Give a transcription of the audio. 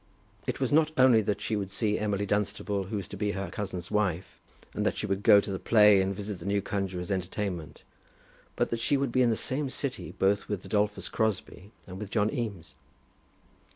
It was not only that she would see Emily Dunstable who was to be her cousin's wife, and that she would go to the play and visit the new conjuror's entertainment, but that she would be in the same city both with Adolphus Crosbie and with John Eames.